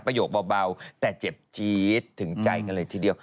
โยคเบาแต่เจ็บจี๊ดถึงใจกันเลยทีเดียว